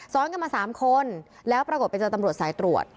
ซ้อนกันมา๓คนแล้วปรากฏไปเจอตำรวจสายตรวจ